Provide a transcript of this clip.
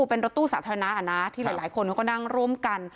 เป็นรถตู้สาธารณะที่หลายคนเขาก็นั่งร่วมกัน